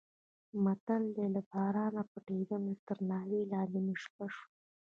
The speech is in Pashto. متل دی: له بارانه پټېدم تر ناوې لاندې مې شپه شوه.